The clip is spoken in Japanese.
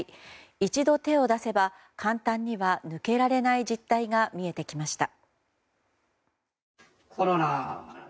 一度手を出せば簡単には抜けられない実態が見えてきました